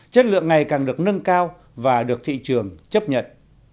chất lượng ngày càng được nâng cao và được thị trường chấp nhận